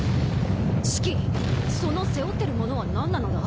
シキその背負ってるものは何なのだ？